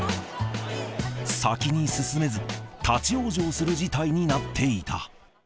先に進めず、立往生する事態になっていた。